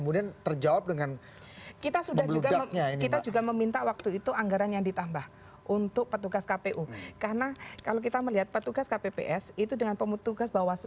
deteriorasi makanan yang benar benar yang pertama